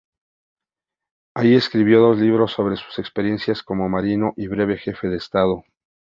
Allí escribió dos libros sobre sus experiencias como marino y breve Jefe de Estado.